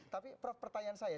tapi prof pertanyaan saya